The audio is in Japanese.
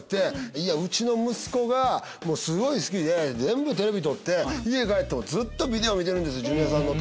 うちの息子がすごい好きで全部テレビ録って家帰ってもずっと見てるんですジュニアさんの。